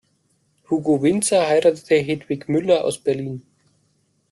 Hugo Winzer heiratete Hedwig Müller aus Berlin.